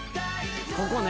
ここね。